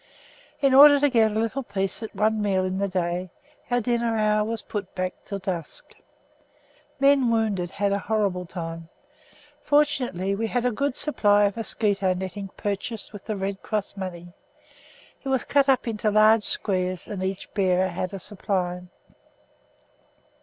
In order to get a little peace at one meal in the day, our dinner hour was put back until dusk. Men wounded had a horrible time. Fortunately we had a good supply of mosquito netting purchased with the Red Cross money. It was cut up into large squares and each bearer had a supply.